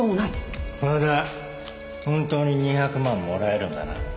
それで本当に２００万もらえるんだな？